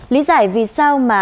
lý giải vì sao mà